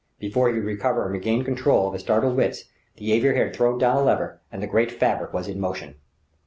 Before he could recover and regain control of his startled wits the aviator had thrown down a lever, and the great fabric was in motion.